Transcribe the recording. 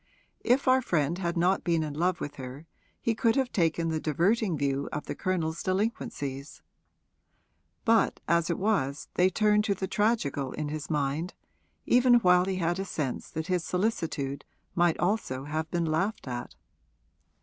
If our friend had not been in love with her he could have taken the diverting view of the Colonel's delinquencies; but as it was they turned to the tragical in his mind, even while he had a sense that his solicitude might also have been laughed at.